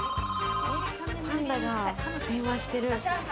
パンダが電話してる。